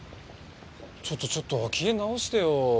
ちょっとちょっと機嫌直してよ。